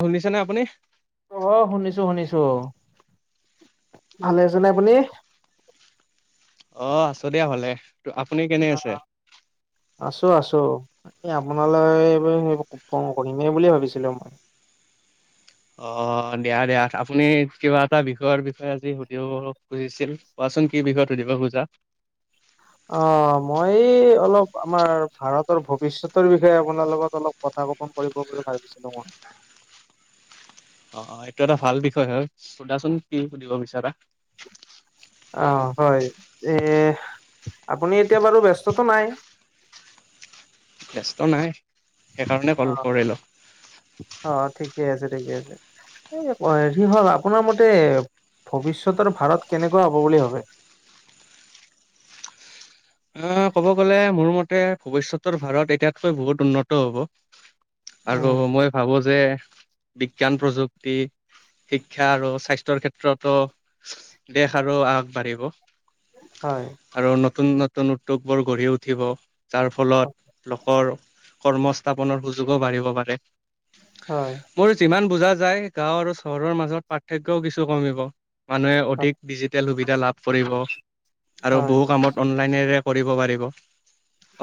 শুনিছে নে আপুনি? আহ শুনিছো শুনিছো। ভালে আছে নে আপুনি। অ' আছো দিয়া ভালে ত আপুনি কেনে আছে? আছো আছো, এই আপোনালৈ এইব সেইবোৰ ফোন কৰিমেই বুলিয়ে ভাবিছিলোঁ মই। [unintelligible] অ'দিয়া দিয়া আপুনি কিবা এটা বিষয়ৰ বিষয়ে আজি সুধিব খুজিছিল। চোন কি বিষয়ে সুধিব খোজা? অ'মই অলপ আমাৰ ভাৰতৰ ভৱিষ্যতৰ বিষয়ে আপোনাৰ লগত অলপ কথা। ন কৰিব বুলি ভাবিছিলো মই। [unintelligible] অ অ, এইটো এটা ভাল বিষয় হয় সোধাচোন কি সুধিব বিচাৰা। অ হয়, এ আপুনি এতিয়া বাৰু ব্যস্ততটো নাই? ব্যস্ত নাই সেইকাৰণে অ কল কৰিলো। ঠিক আছে ঠিকে আছে। এ হেৰি হল আপোনাৰ মতে ভৱিষ্যতৰ ভাৰত কেনেকুৱা হব বুলি ভাবে [unintelligible] আহ ক'ব গ'লে মোৰ মতে ভৱিষ্যতৰ ভাৰত এতিয়াতকৈ বহুত উন্নত হব আৰু উম মই ভাবো যে বিজ্ঞান প্ৰযুক্তি শিক্ষা আৰু স্বাস্থ্যৰ ক্ষেত্ৰতো দেশ আৰু আগবাঢ়িব হয় আৰু নতুন নতুন উদ্যোগ বোৰ গঢ়ি উঠিব যাৰ ফলত লোকৰ কৰ্মস্থাপনৰ সুযোগো বাঢ়িব পাৰে হয় মোৰ যিমান বুজা যায় গাঁও আৰু চহৰৰ মাজত পাৰ্থক্যও কিছু কমিব মানুহে হয় অধিক ডিজিটেল সুবিধা লাভ কৰিব আৰু হয় বহু কামত অনলাইনেৰে কৰিব পাৰিব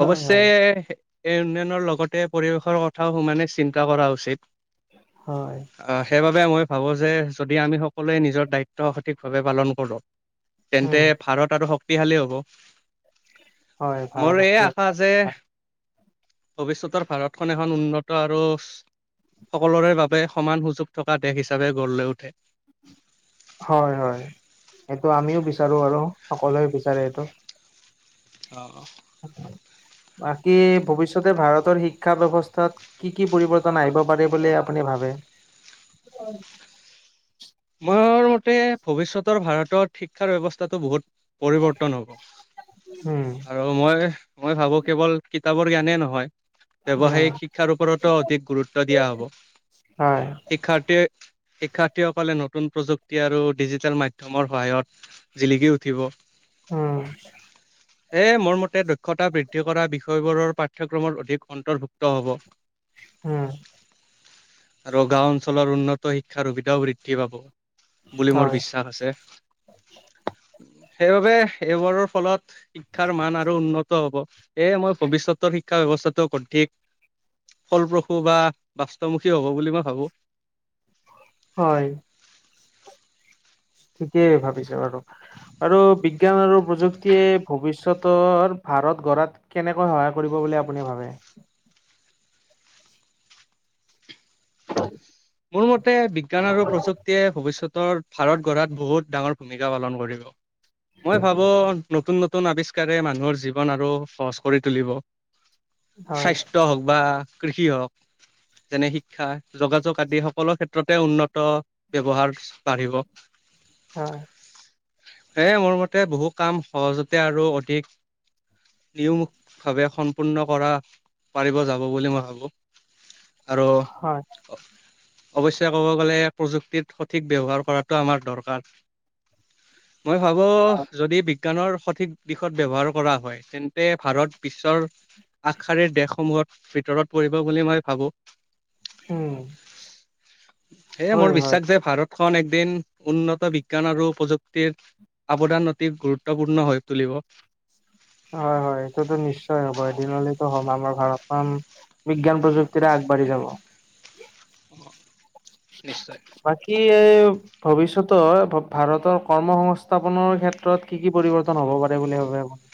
হয় হয় এই উন্নয়নৰ লগতে পৰিৱেশৰ কথাও সমানে চিন্তা কৰা উচিত হয় আহ সেইবাবে মই ভাবোঁ যে যদি আমি সকলোৱে নিজৰ দায়িত্ব সঠিকভাৱে পালন কৰোঁ উম তেন্তে ভাৰত আৰু শক্তিশালী হ'ব হয় ভাল মোৰ এই আশা যে ভৱিষ্যতৰ ভাৰতখন এখন উন্নত আৰু সকলোৰে বাবে সমান সুযোগ থকা দেশ হিচাপে গঢ় লৈ উঠে হয় হয় এইটো আমিও বিচাৰো আৰু সকলোৱে বিচাৰে এইটো অ [unintelligible] বাকী ভৱিষ্যতে ভাৰতৰ শিক্ষা ব্যৱস্থাত কি কি পৰিৱৰ্তন আহিব পাৰে বুলি আপুনি ভাৱে মোৰ মতে ভৱিষ্যতৰ ভাৰতত শিক্ষাৰ ব্যৱস্থাটো বহুত পৰিৱৰ্তন হব উম আৰু মই মই ভাবো কেৱল কিতাপৰ জ্ঞানে নহয় উম ব্যৱসায়িক শিক্ষাৰ ওপৰতো অধিক গুৰুত্ব দিয়া হব হয় শিক্ষাৰ্থীৰ শিক্ষাৰ্থীসকলে নতুন নতুন প্ৰযুক্তি আৰু ডিজিটেল মাধ্যমৰ সহায়ত জিলিকি উঠিব উম এ মোৰ মতে দক্ষতা বৃদ্ধি কৰা বিষয়বোৰৰ পাঠ্যক্ৰমৰ অধিক অন্তৰ্ভুক্ত হ'ব উম আৰু গাওঁ অঞ্চলৰ উন্নত শিক্ষাৰ সুবিধাও বৃদ্ধি পাব বুলি মোৰ হয় বিশ্বাস আছে সেইবাবে এইবোৰৰ ফলত শিক্ষাৰ মান আৰু উন্নত হব এইয়ে মই ভৱিষ্যতৰ শিক্ষা ব্যৱস্থাটোক অধিক ফলপ্ৰসূ বা বাস্তমুখী হ'ব বুলি মই ভাবো হয় ঠিকেই ভাবিছে বাৰু আৰু বিজ্ঞান আৰু প্ৰযুক্তিয়ে ভৱিষ্যতৰ ভাৰত গঢ়াত কেনেকৈ সহায় কৰিব বুলি আপুনি ভাবে [unintelligible] [unintelligible] মোৰ মতে বিজ্ঞান আৰু প্ৰযুক্তিয়ে ভৱিষ্যত উত্তৰ ভাৰত গঢ়াত বহুত ডাঙৰ ভূমিকা পালন কৰিব মই ভাবোঁ নতুন নতুন আৱিষ্কাৰে মানুহৰ জীৱন আৰু সহজ কৰি তুলিব হয় স্বাস্থ্য হওক বা কৃষি হওক যেনে শিক্ষা যোগাযোগ আদি সকলো ক্ষেত্ৰতে উন্নত ব্যৱহাৰ বাঢ়িব হয় এ মোৰ মতে বহু কাম সহজতে আৰু অধিক নিউভাৱে সম্পূৰ্ণ কৰা পাৰিব যাব বুলি মই ভাবো আৰু হয় অৱশ্যে কব গলে প্ৰযুক্তিত সঠিক ব্যৱহাৰ কৰাটো আমাৰ দৰকাৰ মই ভাবো হয় যদি বিজ্ঞানৰ সঠিক দিশত ব্যৱহাৰ কৰা হয় তেন্তে ভাৰত বিশ্বৰ আগশাৰীৰ দেশসমূহত ভিতৰত পৰিব বুলি মই ভাবো। উম সেয়ে হয় মোৰ হয় বিশ্বাস যে ভাৰতখন এদিন উন্নত বিজ্ঞান আৰু প্ৰযুক্তি। অৱদান অতি গুৰুত্বপূৰ্ণ হৈ তুলিব। হয় হয় এইটোতো নিশ্চয় হব এদিনলৈতো হব আমাৰ ভাৰতখন। বিজ্ঞান প্ৰযুক্তিৰে আগবাঢ়ি যাব। অ বাকি ভৱিষ্যতৰ ভাৰতৰ কৰ্মসংস্থাপনৰ ক্ষেত্ৰত কি কি পৰিৱৰ্তন। হ'ব পাৰে বুলি ভাবে আপুনি।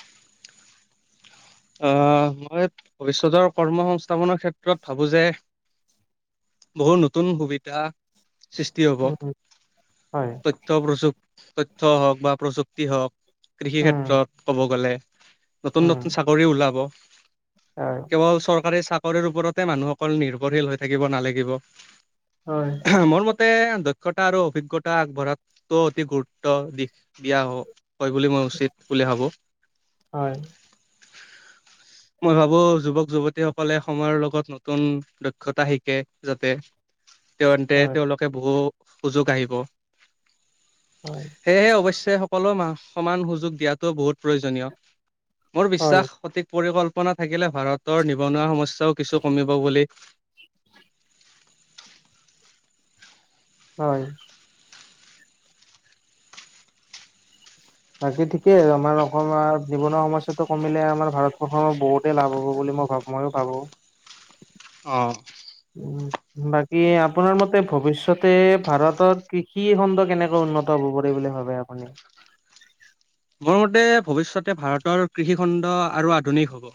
আহ মই ভৱিষ্যতৰ কৰ্মসংস্থাপনৰ ক্ষেত্ৰত ভাবো যে। বহুত নতুন সুবিধা। সৃষ্টি হ'ব উম হয় তথ্য প্ৰযুপ। তথ্য হওক বা প্ৰযুক্তি হওক কৃষি উম ক্ষেত্ৰত কব গলে। নতুন নতুন উম চাকৰি ওলাব হয় কেৱল চৰকাৰী। ওপৰতে মানুহসকল নিৰ্ভৰশীল হৈ থাকিব নালাগিব হয় মোৰ ম তে দক্ষতা আৰু অভিজ্ঞতা আগবঢ়াতো অতি গুৰুত্ব দিশ দিয়া হ। হয় বুলি মই উচিত ভোলে হ'ব। হয়। [unintelligible] মই ভাবোঁ যুৱক যুৱতীসকলে সময়ৰ লগত নতুন দক্ষতা শিকে যাতে। তেন্তে হয় তেওঁলোকে বহু সুযোগ আহিব। হয় সেয়েহে অৱশ্যয়। সকলো সমান সুযোগ দিয়া টো বহুত প্ৰয়োজনীয় মোৰ হয় বিশ্বাস সঠিক পৰিকল্প। থাকিলে ভাৰতৰ নিবনুৱা সমস্যাও কিছু কমিব বুলি। [unintelligible] হয়। বাকী ঠিকেই আমাৰ অকণমান জীৱনৰ সমস্যাটো কমিলে আমাৰ ভাৰতবৰ্ষৰ বহুতেই লাভ হ'ব বুলি। মই ভাবোঁ মইয়ো ভাবোঁ। অহ। [unintelligible] উম বাকী আপোনাৰ মতে ভৱিষ্যতে ভাৰতত কৃষি খণ্ড কেনেকৈ উন্নত হ'ব পাৰি বুলি ভাব। আপুনি। [unintelligible] মোৰ মতে ভৱিষ্যতে ভাৰতৰ কৃষিখণ্ড আৰু আধুনিক হব।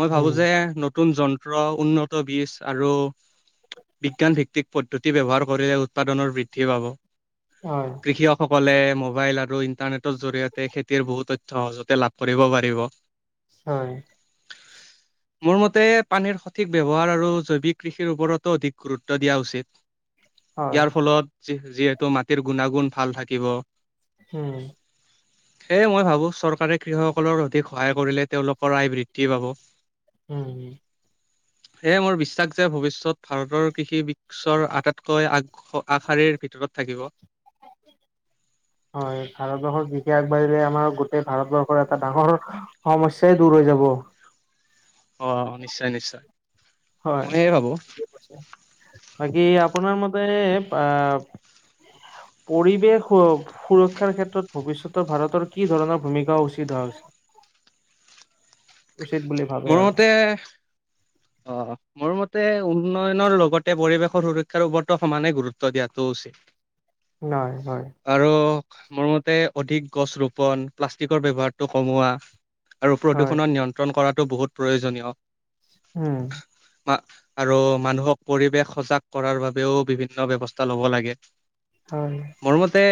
মই ভাবোঁ উম যে নতুন যন্ত্ৰ উন্নত বীজ আৰু। বিজ্ঞানভিত্তিক পদ্ধতি ব্যৱহাৰ কৰিলে উৎপাদনৰ বৃদ্ধি পাব। হয়। অকলে মোবাইল আৰু ইণ্টাৰনেটৰ জৰিয়তে খেতিৰ বহুত তথ্য সহজতে লাভ কৰিব পাৰিব। হয়। [unintelligible] মোৰ মতে পানীৰ সঠিক ব্যৱহাৰ আৰু জৈৱিক কৃষিৰ ওপৰতো অধিক গুৰুত্ব দিয়া উচিত। হয়, ইয়াৰ ফলত যিহেতু মাটিৰ গুণাগুণ ভাল থাকিব। হম। সেয়ে মই ভাবোঁ চৰকাৰে কৃষকসকলৰ অধিক সহায় কৰিলে তেওঁলোকৰ আয় বৃদ্ধি পাব। উম হম। সেয়ে মোৰ বিশ্বাস যে ভৱিষ্যয়ত ভাৰতৰ কৃষি বিশৰ আটাইতকৈ আগ। আশাৰীৰ ভিতৰত থাকিব। হয় ভাৰতবৰ্ষৰ কৃষি আগবাঢ়িলে আমাৰ গোটেই ভাৰতবৰ্ষৰ এটা ডাঙৰ সমস্যা দূৰ হৈ যাব। অ নিশ্চয় নিশ্চয়। মই সেয়ে ভাবো হয়। বাকি আপোনাৰ মতে আ। [unintelligible] পৰিৱেশ সুৰক্ষাৰ ক্ষেত্ৰত ভৱিষ্যতৰ ভাৰতৰ কি ধৰণা ভূমিকা উচিত ধাৰা হৈছে। [unintelligible] উচিত বুলি ভাবে মোৰ আৰু। মতে অ মোৰ মতে উন্নয়নৰ লগতে পৰিৱেশৰ সুৰক্ষাৰ ওপৰতো সমানে গুৰুত্ব দিয়াটো উচিত। নহয় নহয়। আৰু মোৰ মতে অধিক গছ ৰোপন প্লাষ্টিকৰ ব্যৱহাৰটো কমোৱা। আৰু হয় প্ৰদূষণত নিয়ন্ত্ৰণ কৰাটো বহুত প্ৰয়োজনীয়। উম। আৰু মানুহক পৰিৱেশ সজাগ কৰাৰ বাবেও বিভিন্ন ব্যৱস্থা লব লাগে। হয় মোৰমতে।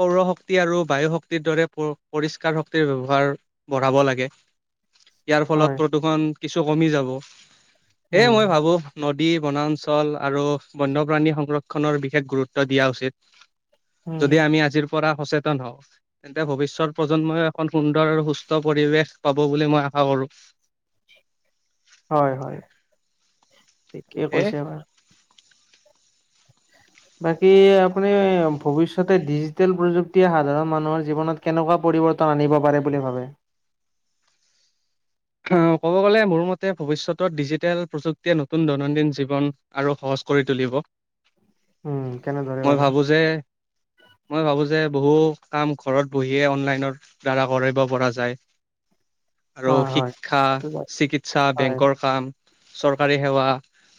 সৌৰ শক্তি আৰু বায়ু শক্তিৰ দৰে পৰিষ্কাৰ শক্তিৰ ব্যৱহাৰ বঢ়াব লাগে। ইয়াৰ ফলত হয় প্ৰদূষণ কিছু কমি যাব এয়ে উম মই ভাবোঁ নদী। নদী বনাঞ্চল আৰু বন্যপ্ৰাণী সংৰক্ষণৰ বিশেষ গুৰুত্ব দিয়া উচিত। উম যদি আমি আজিৰ। পৰা সচেতন হয়, তেন্তে ভৱিষ্যত প্ৰজন্মই এখন সুন্দৰ আৰু সুস্থ পৰিৱেশ পাব বুলি মই আশা কৰোঁ। হয়, হয়, ঠিকেই কৈছে এ আবাৰ বাকী আপুনি ভৱিষ্যতে ডিজিটেল প্ৰযুক্তিয়ে সাধাৰণ মানুহৰ জীৱনত কেনেকুৱা পৰি পৰিৱৰ্তন আনিব পাৰে বুলি ভাবে। অ ক'ব গ'লে মোৰ মতে ভৱিষ্যতত ডিজিটেল প্ৰযুক্তিয় নতুন দৈনন্দিন জীৱন আৰু সহজ। কৰি তুলিব। উম কেনে ধৰে মই বাৰু? ভাবো [inaudible] মই ভাবো যে বহু কাম ঘৰত বহিয়ে অনলাইনৰ দ্বাৰা কৰিব পৰা যায়। আৰু হয় হয় শিক্ষা, চিকিৎসা, হয় বেংকৰ কাম। চৰকাৰী সেৱা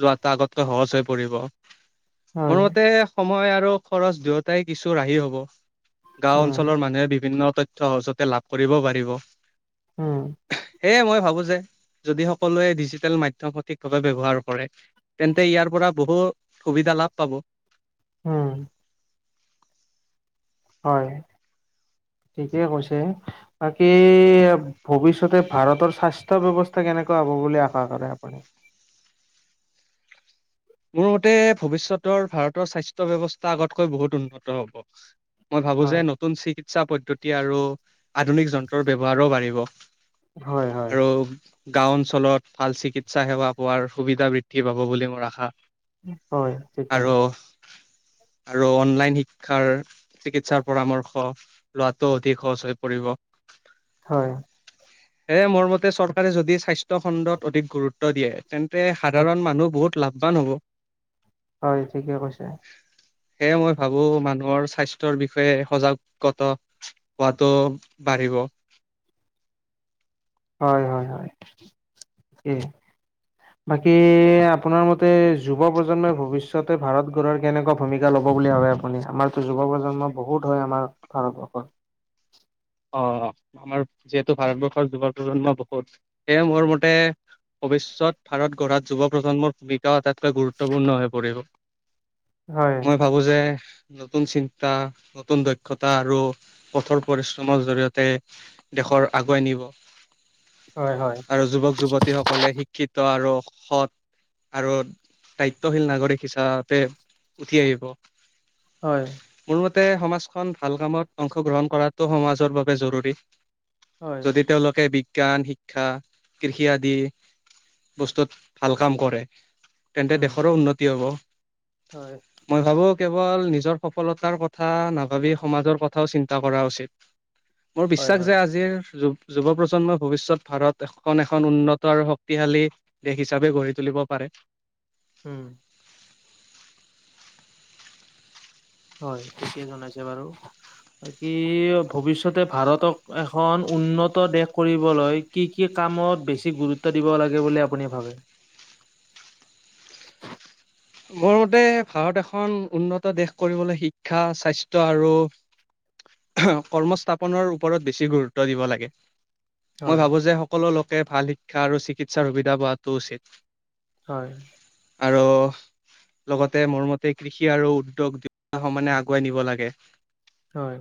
লোৱাটো আগতকৈ সহজ হৈ পৰিব। মোৰ হয় মতে সময় আৰু খৰচ দুয়োটাই কিছু ৰাহি হ'ব। গাঁও উম অঞ্চলৰ মানুহে বিভিন্ন তথ্যয় সহজতে লাভ কৰিব পাৰিব। উম! সেয়ে মই ভাবো যে যদি সকলোৱে ডিজিটেল মাধ্যয়ম সঠিকভাৱে ব্যৱহাৰ কৰে তেন্তে ইয়াৰ পৰা পৰা বহু সুবিধা লাভ পাব। উম! হয়। ঠিকেই কৈছে বাকী ভৱিষ্যতে ভাৰতৰ স্বাস্থ্য ব্যৱস্থা কেনেকুৱা হ'ব বুলি আশা কৰে আপুনি? [inaudible] মোৰ মতে ভৱিষ্যতৰ ভাৰতৰ স্বাস্থ্য ব্যৱস্থা আগতকৈ বহুত উন্নত হ'ব। মই ভাবো যে হয় নতুন চিকিৎসা পদ্ধতি আৰু আধুনিক যন্ত্ৰৰ ব্যৱহাৰো বাঢ়িব। হয় হয় আৰু গাঁও অঞ্চলত ভাল চিকিৎসা সেৱা পোৱাৰ সুবিধা বৃদ্ধি পাব বুলি মোৰ আশা। হয় ঠিকেই। আৰু [inaudible] আৰু অনলাইন শিক্ষাৰ চিকিৎসাৰ পৰামৰ্শ লোৱাটো অধিক সহজ হৈ পৰিব। [inaudible] হয়। এ মোৰ মতে চৰকাৰে যদি স্বাস্থ্য খণ্ডত অধিক গুৰুত্ব দিয়ে। তেন্তে সাধাৰণ মানুহ বহুত লাভবান হ'ব। হয় ঠিকে কৈছে। সেয়ে মই ভাবো মানুহৰ স্বাস্থ্যৰ বিষয়ে সজাগতা হোৱাটো বাঢ়িব। [inaudible] হয়, হয়, হয়, এই বাকী আপোনাৰ মতে যুৱ প্ৰজন্মই ভৱিষ্যতে ভাৰত গঢ়াৰ কেনেকুৱা ভূমিকা ল'ব? বুলি ভাবে আপুনি আমাৰতো যুৱ প্ৰজন্ম বহুত হয় আমাৰ ভাৰতবৰ্ষত। [inaudible] অ আমাৰ যিহেতু ভাৰতবৰ্ষৰ যুৱ প্ৰজন্ম বহুত, সেয়ে মোৰ মতে ভৱিষ্যত ভাৰত গঢ়াত যুৱ প্ৰজন্মৰ ভূমিকাও এটা খুবকে গুৰুত্বপূৰ্ণ হৈ পৰিব, হয়, মই ভাবো যে নতুন চিন্তা, নতুন দক্ষতা, আৰু পথৰ পৰি জৰিয়তে দেশৰ আগুৱাই নিব। হয়, হয়, আৰু যুৱক- যুৱতী সকলে শিক্ষিত আৰু সৎ আৰু দায়িত্বশীল নাগৰিক হিচাপতে উঠি আহিব। হয়। তে সমাজখন ভাল কামত অংশগ্ৰহণ কৰাটো সমাজৰ বাবে জৰুৰী। হয়, যদি তেওঁলোকে বি জ্ঞান শিক্ষা কৃষি আদি বস্তুত ভাল কাম কৰে। তেন্তে উম, দেশৰো উন্নতি হব। হয়। মই ভাবো কেৱল নিজৰ সফলতাৰ কথা নাভাবি সমাজৰ কথাও চিন্তা কৰা উচিত। মোৰ হয়, বিশ্বাস হয়, যে আজিৰ যুগত যুৱ প্ৰজন্মই ভৱিষ্যত ভাৰত এখন এখন উন্নত আৰু শক্তিশালী দেশ হিচাপে গঢ়ি তুলিব পাৰে। [inaudible] হম। হয় ঠিকে জনাইছে বাৰু কি ভৱিষ্যতে ভাৰতক এখন উন্নত দেশ কৰিবলৈ কি কি কামত বেছি গুৰুত্ব দিব লাগে বুলি আপুনি ভাবে [unintelligible] মোৰ মতে ভাৰত এখন উন্নত দেশ কৰিবলৈ শিক্ষা স্বাস্থ্য আৰু কৰ্মস্থাপনৰ ওপৰত বেছি গুৰুত্ব দিব লাগে। মই হয়। ভাবোঁ যে সকলো লোকে ভাল শিক্ষা আৰু চিকিৎসাৰ সুবিধা পোৱাটো উচিত। হয়। আৰু লগতে মোৰ মতে কৃষি আৰু উদ্যোগ দুইয়োটা সমানে আগুৱাই নিব লাগে। হয়।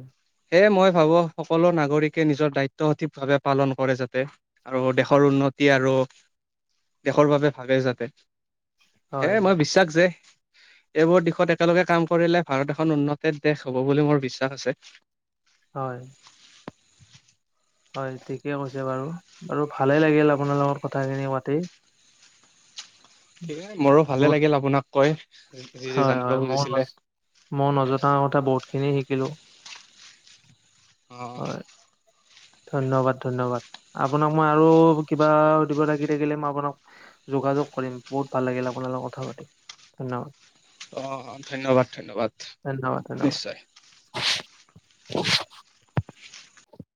এহ মই ভাবোঁ সকলো নাগৰিকে নিজৰ দায়িত্ব সঠিকভাৱে পালন কৰে যাতে আৰু দেশৰ উন্নত এ আৰু দেশৰ বাবে ভাগে যাতে হয়, সেইকাৰে মই বিশ্বাস [inaudible] এইবোৰ দিশত একেলগে কাম কৰিলে ভাৰত এখন উন্নতিৰ দেশ হব বুলি মোৰ বিশ্বাস আছে। হয়। হয় ঠিকে কৈছে বাৰু বাৰু ভালে লাগিল আপোনাৰ লগত কথাখিনি পাতি মোৰো ভালে বহুত লাগিল আপোনাক কৈ যি যি হয় জানিব হয় মই খুজিছিলে। মই নজনা কথা বহুতখিনি শিকিলোঁ। অহ। হয়, ধন্যবাদ ধন্যবাদ আপোনাক মই আৰু কিবা সুধিব লাগি থাকিলে মই আপোনাক যোগাযোগ কৰিম বহুত ভাল লাগিল আপোনাৰ লগত কথা পাতিম ধন্যবাদ। অহ ধন্যবাদ ধন্যবাদ ধন্যবাদ, ধন্যবাদ। নিশ্চয়। [unintelligible]